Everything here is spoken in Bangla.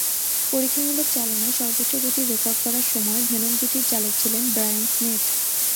পরীক্ষামূলক চালনায় সর্বোচ্চ গতির রেকর্ড করার সময় ভেনম জিটির চালক ছিলেন ব্রায়ান স্মিথ।